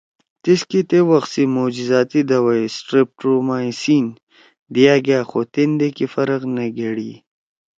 تیسکے تے وخ سی معجزاتی دوائی ”سٹریپٹومائی سین(streptomycin )“ دیا گأ خو تیندے کی فرق نہ گھیڑی